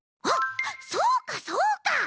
あっそうかそうか！